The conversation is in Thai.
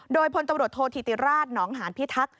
โดยพลตำรวจโทษธิติราชหนองหานพิทักษ์